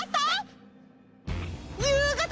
ゆうがた！？